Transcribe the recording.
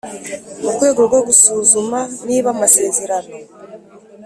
Mu rwego rwo gusuzuma niba amasezerano